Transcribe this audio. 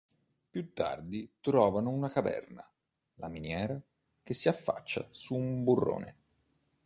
Più tardi trovano una caverna, la miniera, che si affaccia su un burrone.